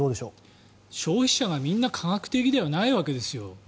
消費者がみんな科学的ではないわけです。